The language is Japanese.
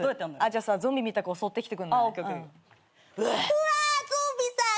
うわぁゾンビさん